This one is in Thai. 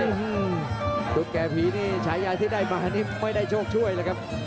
จุดแก่ผีนี่ฉายาที่ได้มานี่ไม่ได้โชคช่วยเลยครับ